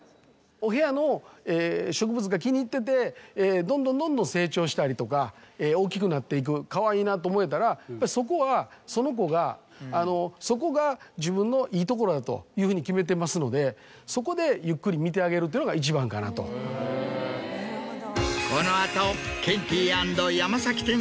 お部屋の植物が気に入っててどんどんどんどん成長したりとか大きくなっていくかわいいなと思えたらそこはその子がそこが自分のいい所だというふうに決めてますのでそこでゆっくり見てあげるというのが一番かなとこの後。